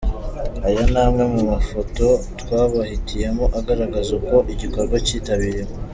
Aya ni amwe mu mafoto twabahitiyemo agaragaza uko igikorwa kitabiriwe:.